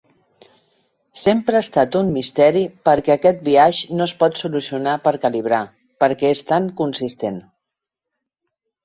Sempre ha estat un misteri per què aquest biaix no es pot solucionar per calibrar, perquè és tan consistent.